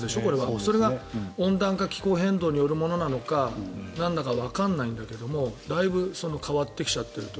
それが温暖化、気候変動によるものなのかなんだかわからないんだけどもだいぶ変わってきちゃっていると。